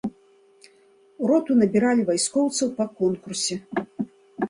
У роту набіралі вайскоўцаў па конкурсе.